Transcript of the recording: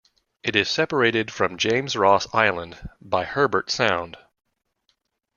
It is separated from James Ross Island by Herbert Sound.